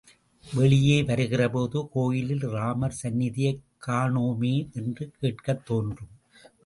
வெளியே வருகிறபோது கோயிலில் ராமர் சந்நிதியைக் காணோமே என்று கேட்கத் தோன்றும்.